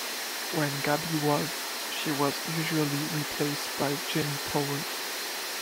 When Gaby was, she was usually replaced by Jenny Powell.